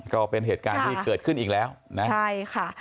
ก็เป็นเหตุการณ์ที่เกิดขึ้นอีกแล้วนะใช่ค่ะ